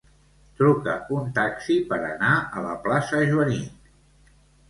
Truca un taxi per anar a la plaça Joànic.